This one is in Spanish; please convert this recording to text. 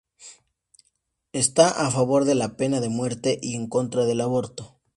Está a favor de la pena de muerte y en contra del aborto.